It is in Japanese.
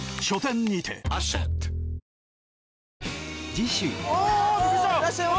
次週！